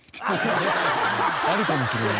あるかもしれない。